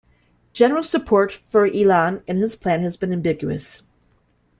General public support for Elon and his plan has been ambiguous.